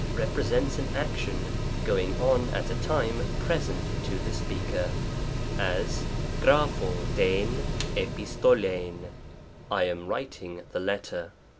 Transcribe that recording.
represents an action going on at a time present to the speaker ; as, yqacpco riiv inLOroXt^Vy " I am writing the letter."